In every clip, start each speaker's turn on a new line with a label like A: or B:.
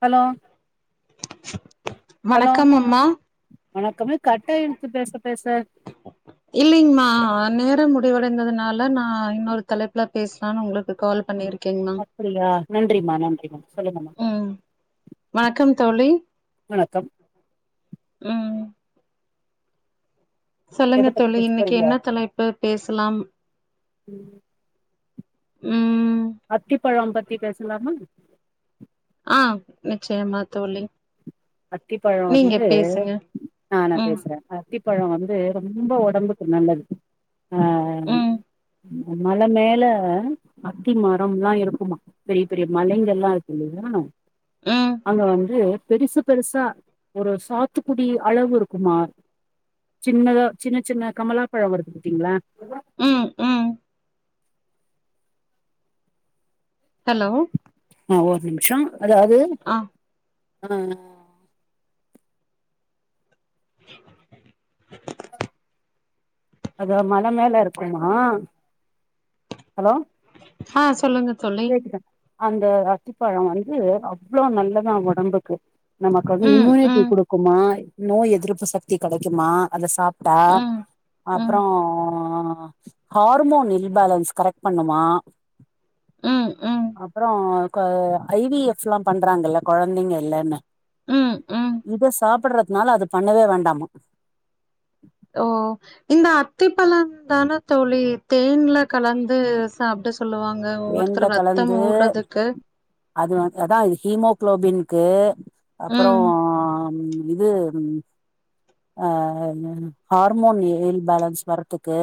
A: Hello hello
B: வணக்கம் அம்மா
A: வணக்கம் கட்டாயிடுச்சி பேச பேச
B: இல்லைங்கமா நேரம் முடிவடைந்ததுனால நான் இன்னொரு தலைப்புல பேசுலான்னு உங்களுக்கு கால் பண்ணிருக்
A: அப்படியா நன்றிமா நன்றிமா சொல்லுங்கமா
B: ம் வணக்கம்
A: வணக்கம்
B: உம்
A: எத
B: சொல்லுங்க
A: பத்தி
B: தோழி
A: பேச
B: இன்னைக்கு
A: போறீங்க
B: என்ன தலைப்பு பேசலாம் உம்
A: தி பேசலாம்மா
B: ஆஹ் நிச்சயமா தோழி
A: அத்திப்பழம்
B: நீங்க
A: வந்து
B: பேசுங்க
A: நான
B: ம்
A: பேசுறேன் அத்திப் பழம் வந்து ரொம்ப உடம்புக்கு நல்லது ஆஹ்ஹ்
B: ம்
A: மல மேல அத்தி மரம் எல்லாம் இருக்குமா பெரிய பெரிய மலைகள்லாம் இருக்கு இல்லையா
B: ம்
A: அங்க வந்து பெரிசுப் பெருசா ஒரு சாத்துக்குடி அளவு இருக்குமா சின்னதா சின்ன சின்ன கமலாப்பழம் வருது பாத்தீங்களா
B: உம் உம் ஹலோ
A: அ ஒரு நிமிஷோ அதாவது
B: ஆ
A: ஆ அதா மல மேல இருக்குமா ஹலோ
B: ஆ சொல்லுங்க தோழி
A: கேக்குதா அந்த அத்திப்பழம் வந்து அவ்ளோ நல்லதா ஒடம்புக்கு நமக்கு வந்து
B: ம்
A: இம்யூனிட்டி
B: ம்
A: குடுக்குமா நோய் எதிர்ப்பு சக்தி கெடைக்குமா அத சாப் ட்டா
B: ம் ம்
A: அப்பறோ ஆ ஹார்மோன் இல்பேலன்ஸ் கரெக்ட் பண்ணுமா
B: ம் ம்
A: அப்பறோ அ ஐ வி எஃப் எல்லா பண்றாங்கல்ல கொழந்தைங்க இல்லன்னு
B: ம் ம்
A: இத சாப்படறது னால அத பண்ணவே வேண்டாமா
B: ஓ இந்த அத்திப்பழந்தான தோழி தேன்ல கலந்து சாப்பட சொல்லுவாங்க
A: தேன்ல
B: ஒவ்வொருத்தர் ரத்தம்
A: கலந்து
B: ஊறதுக்கு
A: அது வந்த அதா இதா ஹீமோகுளோபின்க்கு அப்பறோ
B: ம்
A: இது ம் ஆ ஹார்மோன் இம்பேலன்ஸ் வர்றதுக்கு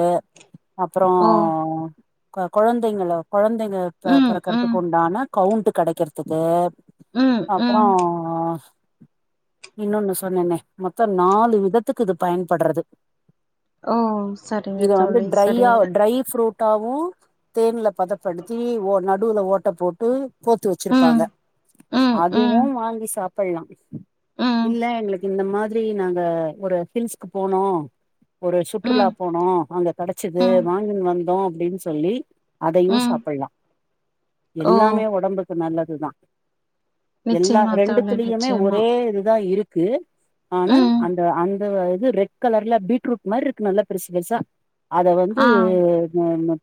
A: அப்பறோ
B: ஓ
A: கொழந்தைங்களோ கொழந்தைங்க பெ
B: ம் ம்
A: பெறக்கறதுக்கு உண்டான கவுண்ட் கெடைக்கறதுக்கு
B: ம் ம்
A: அப்பறோ இன்னொன்னு சொன்னனே மொத்தோ நாலு விதத்துக்கு இது பயன்பட்றது
B: ஓ சரிங்க
A: இத வந்து
B: தோழி
A: டிரையா
B: சரிங்க
A: டிரை ஃப்ரூட் டாவு தேன்ல பத படித்தி ஓ நடுவுல ஓட்ட போட்டு போத்து
B: ம்
A: வெச்சிருப்பாங்க
B: ம் ம்
A: அதுவு வாங்கி சாப் பிலாம்
B: ம்
A: இல்ல எங்களுக்கு இந்த மா திரி நாங்க ஒரு ஹில்ஸ்கு போனோ ஒரு சுற்றுலா
B: ம்
A: போனோ அங்க கடச்சிது
B: ம்
A: வாங்கின்னு வந்தோ அப்டின்னு சொல்லி அத யூஸ்
B: ம்
A: லா
B: ஓ
A: எல்லாமே ஒடம்புக்கு நல்லது இதுதா எல்லா
B: நிச்சயமா தோழி
A: ரெண்டுத்துலயுமே
B: நிச்சயமா
A: ஒரே இதுதா இருக் க்கு ஆனா
B: ம்
A: அந்த அந்த அது இது ரெட் கலர்ல பீட்ரூட் மாதிரி இருக்கு நல்லா பெருசு பெருசா அத வந்து
B: ஆ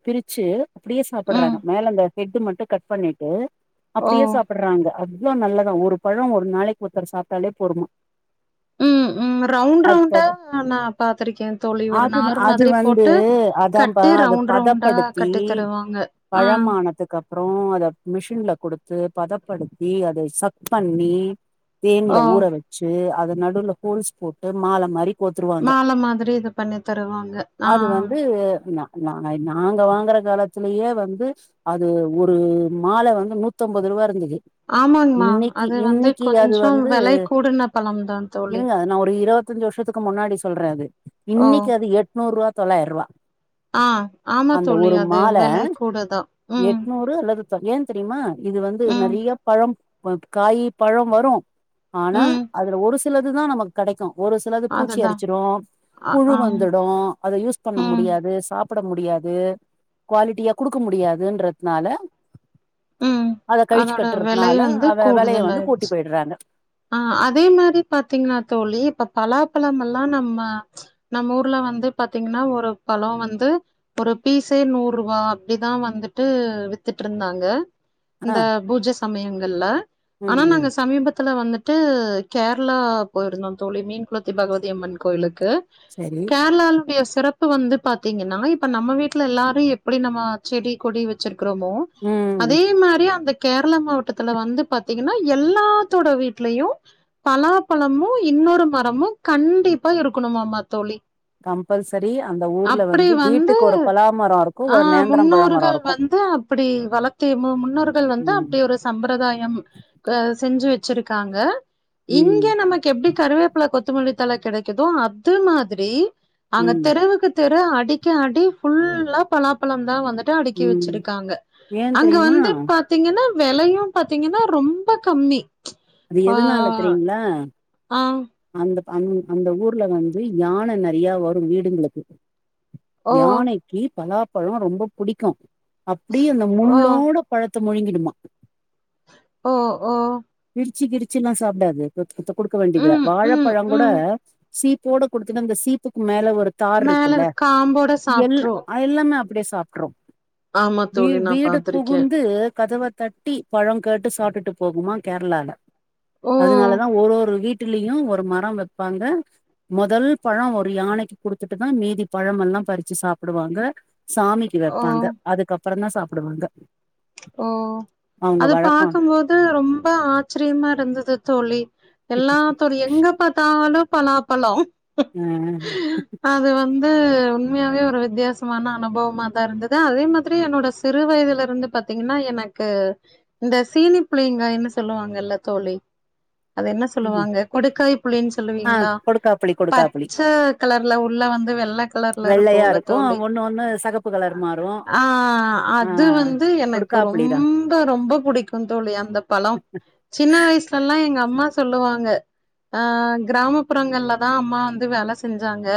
A: பிரிச்சு அப்படியே சாப்
B: ம்
A: டுறாங்க மேல இந்த ஹெட் மட்டும் கட் பண்ணிட்டு அப்படியே
B: ஓ
A: சாப்பிடுறாங்க இவ்ளோ நல்லதா ஒரு பழம் ஒரு நாளைக்கு ஒருத்தர் சாப்டாலே போதுமா
B: உம் ரவுண்ட்
A: அது
B: ரவுண்டா
A: தொட
B: நா பார்த்திருக்கேன் தோழி ஒரு
A: அது
B: நார்
A: அது
B: மாதிரி
A: வந்து
B: போட்டு
A: அதாம்பா
B: கட்டி ரவுண்ட் ரவுண்டா கட்டி தருவாங்க ஆ
A: பழமானத்துக் அப் புறம் அத மிஷின்ல குடுத்து பதப்படுத்தி அத சக் பண்ணி தேன்ல
B: ஓ
A: ஊற வச்சு அ நடுவுல ஹோல்ஸ் போட்டு மால மாரி கோத்துருவாங்க
B: மால மாதிரி இத பண்ணி தருவாங்க ஆ
A: நாங்க நாங்க வாங்கற காலத் லயே வந்து அது ஒரு மால வந்து நூத்தம்பது ரூபா இருந்தது
B: ஆமாங்மா
A: இன்னைக்கு
B: அது வந்து
A: இன்னைக்கு அது
B: கொஞ்சோ
A: வந்து
B: வெலை கூடுன பழம்தா தோழி
A: இருங்க அது நா ஒரு இருபத்தஞ்சு வருஷத்துக்கு முன்னாடி சொல்றன் அது
B: ஓ
A: இன்னைக்கு அது எட்நூறு ரூபா தொள்ளாயிரரூபா
B: ஆ ஆமா தோழி அது விலை கூடதா உம்
A: திருத்தம் ஏன் தெரியுமா இது வந்து நெறைய பழம் காய் பழம் வரும் ஆனா
B: ம்
A: அதுல ஒரு சிலது தா நமக்கு கெடைக்கும் ஒரு சிலது பூச்சி
B: அதுதா
A: அரிச்சிடும்
B: ஆ
A: புழு
B: ஆ
A: வந்துடும் அத யூஸ் பண்ண
B: ம்
A: முடியாது சாப் ப்பிட முடியாது குவாலிட்டியா குடுக்க முடியாதுன்றதுனால
B: ம்
A: அத கழிச்சு
B: அதோட வெலை
A: கட்டுறதுனால அவ விலைய வந்து கூட்டி போயிடுறாங்க
B: அ அதே மாரி பாத்தீங்கன்னா தோழி இப்ப பலாப்பழம் எல்லா நம்ம நம்ம ஊர்ல வந்து பாத்தீங்கன்னா ஒரு பழோ வந்து ஒரு பீஸே நூறு ரூவா அப்டிதா வந்துட்டு வித்துட்டு இருந்தாங்க
A: ஆ
B: இந்த பூஜ சமயங்கள்ல
A: ம்
B: ஆனா
A: ம்
B: நாங்க சமீபத் த்ல வந்துட்டு கேரளா போயிருந்தோ தோழி மீன் குளத்தி பகவதியம்மன் கோயில்க் க்கு
A: சரி
B: கேரளால்டைய சிறப் வந்து பாத்தீங்கன்னா இப்ப நம்ம வீட்ல எல்லாரு எப்டி நம்ம செடி கொடி வச்சிருப் க்றமோ
A: ம்
B: அதே மாரி அந்தக் கேரளா மாவட்டத்ல வந்து பாத்தீங் என்ன எல்லாத் தோட வீட்லயு பலாபழமு இன்னொரு மரமு கண்டிப்பா இருக்கணுமாமா தோழி
A: கம்பல்சரி அந்த ஊர்ல
B: அப்டி வந்து
A: வீட்டுக்கு ஒரு பலாமரோ இருக்கு
B: ஆ
A: ஒரு நேந்திரம் பழமரோ
B: முன்னோர்கள்
A: இருக்கு
B: வந்து அப்டி வளத்தி மு முன்னோர்கள் வந்து
A: ம்
B: அப்டி ஒரு சம்பரதாயம் அ செஞ்சு வச் வச்சிருக்காங்க இங்க
A: ம்
B: நமக்கு எப்டி கருவேப்பழ கொத் த்துமல்லி தல கெடைக்குதோ அது மாதிரி அங்க
A: ம்
B: தெருவுக்கு தெர் ர அடிக்க அடி ஃபுல்லா பலாப்பழதா வந்துட் ட்டு அடுக்கி
A: ம்
B: வச்சிருக்காங்க
A: ஏன்
B: அங்க
A: தெரியுமா
B: வந்து பாத்தீங்கன்னா வெலயு பாத்தீங்கன்னா ரொம்ப கம்மி
A: அது எதுனால தெரியுங்ளா
B: ஆஹ்
A: அந்த அந் அந்த ஊர்ல வந்து யான நெறயா வரு வீடுங்களுக்கு
B: ஓ
A: யானைக்கு பலாப் பழ ரொம்ப புடிக்கு அப்டி அந்த
B: ஓ
A: முள்ளோட பல்த் த்த முழுங்கிடுமா
B: ஓ ஓ
A: சிக்கிடுச்சுனா சாப்டாது த்த குடுக்க வேண்டியத
B: ம் ம்
A: வாழப்பழங்கூட
B: ம்
A: சீப்போட கொடுத்துட்டு அந்த சீப்புக்கு மேல வ ப்ப தார்
B: மேல
A: இருக்கில்ல
B: இருக்க காம்போட
A: எல்
B: சாப்ட்ரு
A: எல்லாமே அப் அப்டியே சாப்ட்றோ
B: ஆமா
A: வி வீ
B: தோழி நா
A: வீடு
B: பாத்திருக்கே
A: புகுந்து கதவ தட்டி பழ கேட்டு சாப்ட்டு போகுமா கேரளால
B: ஓ
A: அதனாலதா ஒரு ஒரு வீட் ட்டிலயு ஒரு மரோ வப்பாங்க மொதல் பழோ ஒரு யானைக்கு குடுத்துட்டுதா மீதி பழமெல்லா பறிச்சி சாப்புடுவாங்க சாமிக்கி
B: ஓ
A: வப்பாங்க அதுக்கப் அப்புறந்தா சாப்புடுவாங்க
B: ஓ அது
A: வழக்கம்
B: பாக்கும்போது ரொம்ப ஆ ச்சரியமா இருந்தது தோழி எல்லாத்தரு எங்க பாத்தாலு பலா பழோ
A: உம்
B: அது உண்மையாவே ஒரு வித்தியாசமான அனுபவமா தா இருந்தது அதே மாதிரி என்னோட சிறு வயதில் இருந்து பத் தீங்கன்னா எனக்கு இந்த சீனி புளியங்காய்னு சொல்லுவாங்கல்ல தோழி அது என்ன சொல்லுவாங்க கொடுக்காய் புளினு
A: ஆ
B: சொல்லுவீங்களா
A: கொடுக்காப்புளி கொடுக்காப்புளி
B: பச்ச கலர் எல்லா உள்ள வந்து வெள்ள கலர்ல
A: வெள்ளையா
B: இருக்கோல்ல
A: இருக்கு
B: தோழி
A: ஒண்ணு ஒண்ணு சகப்பு கலர்
B: ஆஹ்
A: மாறு
B: ஆஹ்
A: ஆ
B: அது வந்து எனக்
A: கொடுக்காப்புளிதா
B: ரொம்ப ரொம்ப பிடிக்கும் தோழி அந்த பழோ சின்ன வயசுலல்லா ங்க அம்மா சொல்லுவாங்க அஹ் கிராமப்புறங்கள்ல தா அம்மா வந்து வேல செஞ்சாங்க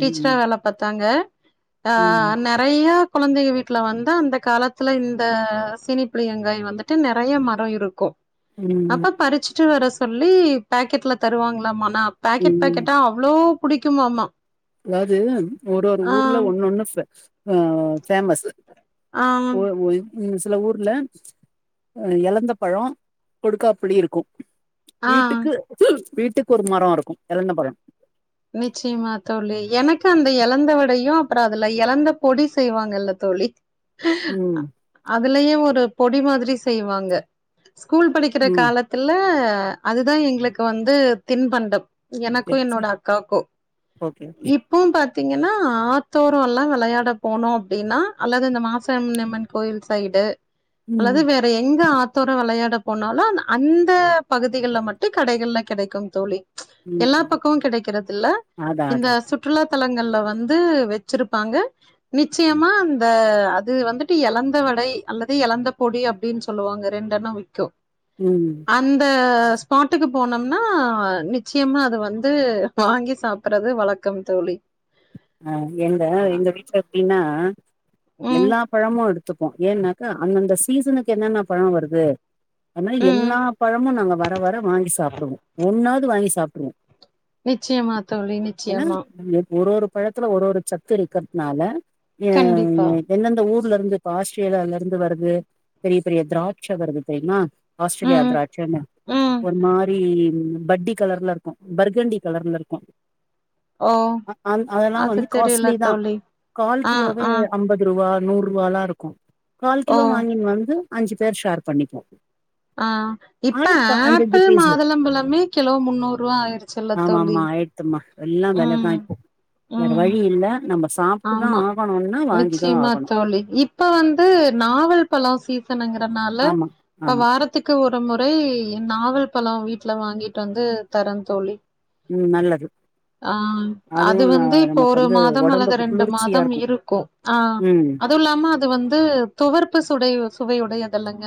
B: டீச்சரா வேல பாத்தாங்க ஆஹ்
A: ம்
B: ஆஹ் நெறைய கொழந்தைங்க வீட்டுல வந்து அந்த காலத்துல இந் த சீனிப்புளியங்காய் வந்துட்டு நெறைய மரோ இருக்கு
A: ம் ம்
B: அப்பா பறிச்சு டு வர சொல்லி பாக்கெட்ல தருவாங்களாமா ஆஹ் பேக்கெட்
A: ம்
B: பேக்கெட்டா அவ்ளோ புடிக்குமாமா
A: அதாவது ஒரு ஒரு
B: ஆ
A: ஊர்ல ஒண்ணு ஒண்ணு ஃபே ஆஹ் ஃபேமஸூ
B: ஆ
A: ஓ ஓய் உம் சில ஊர்ல அஹ் எழந்த பழோ கொடுக்காப்புளி இருக்கு
B: ஆ
A: வீட்டுக்கு வீட்டுக்கு ஒரு மரோ இருக்கு எழந்த பழம்
B: நிச்சயமா தோழி எனக்கு அந்த எழந்தவடையு அப்புறோ அதுல எழந்த பொடி செய்வாங்கல்ல தோழி ஆஹ்
A: ம்
B: அதுலயே ஒரு பொடி மாதிரி செய்வாங்க ஸ்கூல் படிக்கிற
A: ம்
B: காலத்துல அஹ் அதுதா எங்களுக்கு வந்து திண்பண்டம்
A: சரி
B: எனக்கும் என்னோட
A: சரி
B: காக்கோ
A: ஓகே ஓகே
B: இப்போவும் ப பாத்தீங்கன்னா ஆத்தோறலாம் விளையாட போனோம் அப்படின்னா அல்லது இந்த மாசானியம்மன் கோயில் சைடு
A: ம்
B: அல்லது வேற எங்க ஆத்தோர விளையாட போனாலும் அந்த பகுதிகல மட்டும் கடைகள்ல கிடைக்கும் தோழி எல்லா
A: ம்
B: பக்கமும் கிடைக்கும் கிறதுல
A: அதா
B: இந்த
A: அதா
B: சுற்றுலா தலங்கள்ல வந்து வச்சிருப்பாங்க நிச்சயமா அந்த அது வந்துட்டு எழந்த வடை அல்லது எழந்த பொடி அப்படின்னு சொல்லுவாங்க ரெண்டென்னம் விக்கும்
A: ம்
B: அந்த ஸ்பாட்டுக்கு போனோம்னா நிச்சயமா அது வந்து வாங்கி சாப்படறது வழக்கம் தோழி
A: அஹ் எங்க எங்க வீட்டுல எப்படின்னா
B: ம்,
A: எல்லா பழமும் கத்துப்போம் ஏன்னாக்கா அந்தந்த சீசனுக்கு என்னென்ன பழம் வருது அத மாரி
B: ம்.
A: எல்லா பழமும் நாங்க வர வர வாங்கி சாப்பிடுவோம் ஒன்னாவது வாங்கி சாப்டுவோம் ட்ரோம்
B: நிச்சயமா தோழி நிச்சயமா
A: ஒரு ஒரு பழத்துல ஒரு ஒரு சத்து இருக்கிறதுனால ஆ
B: கண்டிப்பா.
A: என்ந்தெந்த ஊர் ல இருந்து ஆஸ்திரேலில இருந்து வருது பெரிய பெரிய திராட்சா வருது தெரியுமா ஆஸ்திரேலியா
B: ம்,
A: திரா சென
B: ம்.
A: ஒரு மாதிரி உ பட்டி கலர்ல இருக்கும் பர்கண்டி கலர்ல இருக்கும்
B: ஓ
A: ஆமா
B: அது
A: இது
B: தெரியல
A: காஸ்ட்லிதா
B: தோழி.
A: கால்
B: ஆ,
A: கிலோவே
B: ஆ.
A: அம்பதுரு வா நூறு ரூவல்லாம் இருக்கும் கால்
B: ஓ!
A: கிலோ வாங்கினு வந்து அஞ்சு பேர் ஷேர் பண்ணிக்குவோம்
B: ஆ இப்ப ஆப்பிள்
A: பீஸு
B: மாதுளம்பழமே கிலோ முன்னூறு ரூபா ஆயிடுச்சுல்ல தோழி
A: எல்லாம்
B: ம்,
A: வெலதா இப்போ வேற
B: ம்.
A: வழி இல்ல நம்ம சாப்ட்டுதா
B: ஆமா
A: ஆகணுன்னா வாங்கிதா
B: நிச்சிமா
A: ஆகணு
B: தோழி இப்போ வந்து நாவல் பல சீ சன்ங்கறனால
A: ஆமா
B: இப்ப
A: ஆமா
B: வாரத்துக்கு ஒரு முறை நாவல் பழம் வீட்டுல வாங்கிட்டு வந்து தரன் தோழி
A: உம் நல்லது
B: ஆ அது
A: அதுவும் நா
B: வந்து இப்போ
A: நமக்கு
B: ஒரு
A: வந்து
B: மாதம் அல்லது
A: உடம்புக்கு
B: ரெண்டு மாதம் இருக்கும் ஆ அதுவும் இல்லாம அது வந்து துவர்ப்பு சுடைவு சுவை உடைய அதெல்லங்க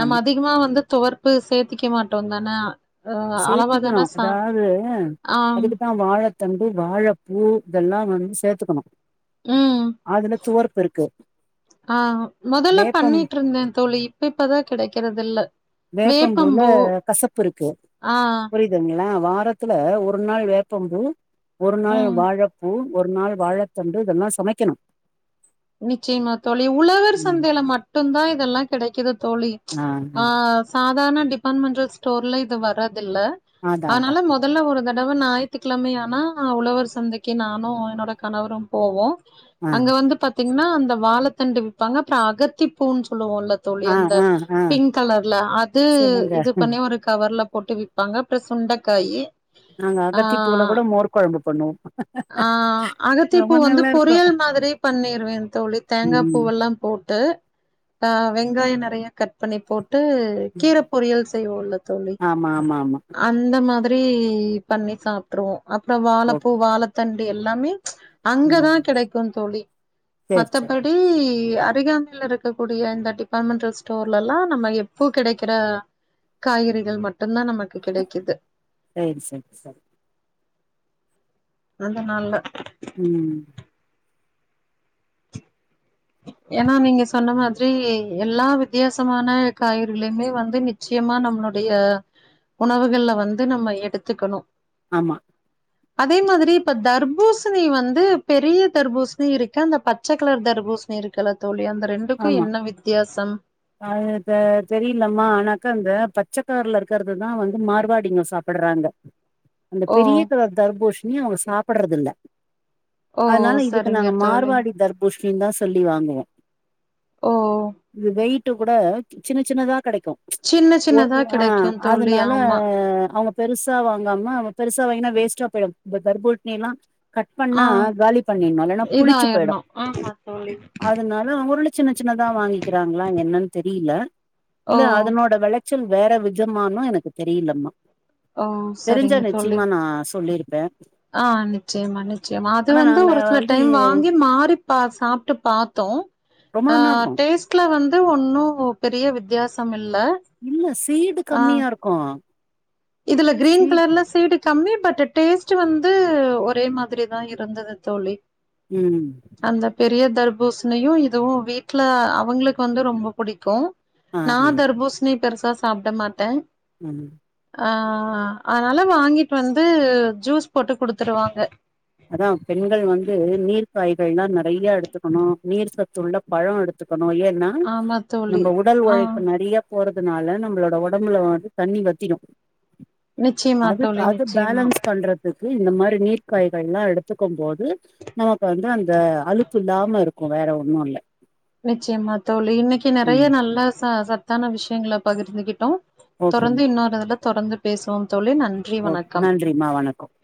B: நம்ம
A: ஆமா
B: அதிகமா வந்து துவர் ப்பு சேர்த்திக்க மாட்டோம் தான அ அளவா
A: சேர்த்திக்கனோ
B: தான சா
A: அதாவது
B: ஆ
A: அதுக்குதா வாழ தண்டு வளப்பூ இதெல்லா வந்து சேர்த்துக்கனோ
B: உம் ஆ முதல்ல
A: வேப்பம்
B: பண்ணிட்ருதா தோழி இப் பதா கிடைக்கிறது இல்ல
A: வேப்பம்பூல கசப்பு இருக்கு
B: ஆ
A: புரியுதுங்க லா வாரத்துல ஒரு நாள் வேப்பம் பூ ஒரு நாள்
B: ம்
A: வாழப் பூ ஒரு நாள் வாழ தண்டு இதெல்லா சமைக்கணும்
B: நிச்சியமா தோழி உழவர்
A: ம்
B: சந்தைல மட்டுந்தா இதெல்லா கெடைக்குது தோழி
A: ஆ ஆ
B: சாதார்ண டிபாட்மெண்டல் ஸ்டோர்ல இது வர தில்ல
A: அதா அதா
B: அதனால மொதல்ல ஒரு த டவு ஞாயித்திக்கிழமையானா உழவர் சந்தைக்கி நானு என்னோட கணவரும் போவோ
A: ஆ
B: அங்க வந்து ப திங்ன்னா அந்த வாழத்தண்டு விப்பாங்க அப்புற அகத்திப்பூன் சொல்லுவோ ல தோழி
A: ஆ
B: அந்த
A: ஆ ஆ
B: பிங்க் கலர்ல அது
A: சொல்லுங்க
B: இது பண்ணி ஒரு கவர்ல போட்டு விப்பாங்க அப்ற சுண்டக்காயி
A: நாங்க அகத்திப்பூல கூட மோர் கொழம்பு பண்ணுவோ
B: ஆ
A: ரொம்ப நல்லாருக்கு
B: வே தோழி தேங்கா பூவெல்லாம் போட்டு ஆஹ் வெங்காயோ நறைய கட் பண்ணி போட் ட்டு கீர
A: ம்.
B: பொரியல் செய்வோல்ல தோழி
A: ஆமா ஆமா ஆமா
B: அந்த மாத ப்ரீ பண்ணி சாப்ட்ருவோ அப்றோ வாழ
A: ஓ
B: பூ வாழ தண்டு எல்லாமே அங்கதா
A: ம்
B: கெடைக்குந் தோழி
A: சேரி சேரி
B: மத்தபடி அ அருகாமைல இருக்கக்கூடிய இந்த டிபாட்மெண்ட்டல் ஸ்டோர்லெல்லா நம்ம எப்பூ கெடைக்கிற காய்கறிகள் மட்டுந்தா நம
A: சேரி செர் செர்
B: அதனால
A: உம்
B: ஏன்னா நீங்க சொன்ன மாதிரி எல்லா வித்தியாசமான காய்கறிகளையுமே வந்து நிச்சியமா நம்மளுடைய உணவுகள்ல வந்து நம்ம எடுத்துக்கணு
A: ஆமா
B: அதே மாதிரி இப்ப தர்பூசணி வந்து பெரிய தர்பூசணி இருக்கு அந்த பச்ச கலர் தர்பூஸ் ணி இருக்குல்ல தோழி அந்த ரெண்டுக்கு
A: ஆமா
B: என்ன வித்தியாசம்
A: அது த தெரிலம்மா ஆனாக்கா அந்த பச்சக்கலர்ல இருக்கறதுதா வந்து மார் வாடிங்கொ சாப்பட்றாங்க அந்த
B: ஓ
A: பெரிய கலர் தர்பூஷ் நியூ அவுங் சாப்பட்றது இல்ல
B: ஓ
A: அதுனால இதுக்கு
B: சரிங்க
A: நாங்க
B: தோழி
A: மார்வாடி தர்புஷ் பிந்தா சொல்லி வாங்குவோ
B: ஓ
A: விதை கூட சின்ன சின்னதா கெடைக்கு
B: சின்ன சின்னதா
A: ம் அ
B: கிடைக்கு தோழி
A: அதனால
B: ஆமா
A: அவங்க பெருசா வாங்காம அவங்க பெருசா கிட்டனா வேஸ்ட்டா போயிடு தர்பூட்டினில்லா கட் பண்ணா
B: ஆ
A: காலி பண்ணின்னு இல்லனா புளிச்சு போயிடு
B: இதாயிரணு ஆமா தோழி
A: அதனால அவங்க சின்ன சின்னதா வாங்கிக்கிறாங்களா என்னன்னு தெரியல
B: ஓ
A: இல்ல அதனோட வெல ஆக்சுல் வேற விதமானனு எனக்கு தெரியலமா
B: ஓ
A: தெரிஞ்சா நிச்சயமா நா சொல்லிருப் இத
B: ஆஹ் நிச்சயமா நிச்சயமா அது வந்து
A: நாங்க
B: ஒரு சில
A: வந்து
B: டைம் வாங்கி மாறி பா சாப்டு பாத்தோ
A: ரொம்ப நாளா
B: ஆஹ்
A: இருக்கோ
B: டேஸ்ட்ல வந்து ஒன்னும் பெரிய வித்தியாசம் இல்
A: இல்ல சீடு கம்மியா இருக்கு அ
B: இதுல கிரீன் கலர்ல சீடு கம்மி பட் டேஸ்ட் வந்து ஒரே மாதிரி தா இருந்தது தோழி
A: ம்
B: அந்த பெரிய தர்ப் பூசனையு இதுவு வீட்ல அவங்களுக்கு வந்து ரொம்ப புடிக்கு
A: ஆ
B: நா
A: ஆ
B: தர்பூஸ்ணி பெருசா சாப்ட மாட்டே
A: உம்
B: அஹ் அதனால வாங்கிட்டு வந்து ஜூஸ் போட்டு குடுத்துருவாங்க
A: அதான் பெண்கள் வந்து நீர் காய்கள்லா நெறைய எடுத்துக்கணு நீர் சத்துள்ள பழ எடுத்துக் கனோ ஏன்னா
B: ஆமா தோழி
A: நம்ம உடல்
B: ஆ
A: உழைப்பு நெறைய போறதுனால நம்மளோட ஒடம்புல வந்து தண்ணி வத்திடு
B: நிச்சயமா தோழி நிச்சயமா
A: பண்றதுக்கு இந்த மாரி நீர்க்காய் அதல்லா எடுத்துக்கும் போது நமக்கு வந்து அந்த அழுத்துல்லா ம்னு இருக்கு வேற ஒண்ணு இல்ல
B: நிச்சயமா தோழி இன்னைக்கு நெறைய
A: ம்
B: நல்ல ச சா சத்தான விஷயங்களை பகிர்ந்துகிட்டோ தொடர்ந்து
A: ஓகேமா
B: இன்னொரு இதுல தொடர்ந்து பேசுவோம் தோழி நன்றி
A: ஓகே
B: வணக்கம்
A: நன்றிம்மா வணக்கம்